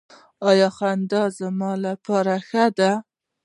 ایا خندا زما لپاره ښه ده؟